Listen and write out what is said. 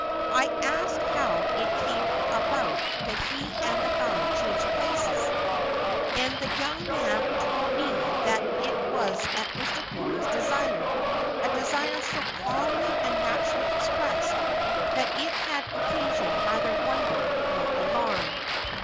I asked how it came about that he and the guide changed places, and the young man told me that it was at Mr. Goring's desire, a desire so calmly and naturally expressed that it had occasioned neither wonder nor alarm.